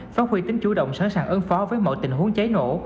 phát huy tính chủ động sẵn sàng ơn phó với mọi tình huống trái nổ